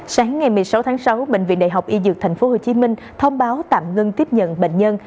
sáng ngày một mươi sáu tháng sáu bệnh viện đại học y dược tp hcm thông báo tạm ngưng tiếp nhận bệnh nhân